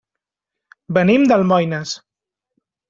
Venim d'Almoines.